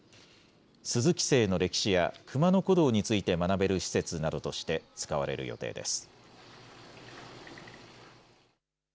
鈴木姓の歴史や熊野古道について学べる施設などとして使われる予定です。